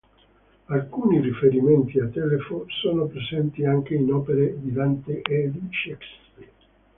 Alcuni riferimenti a Telefo sono presenti anche in opere di Dante e di Shakespeare.